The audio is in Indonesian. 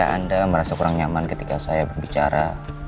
anda merasa kurang nyaman ketika saya berbicara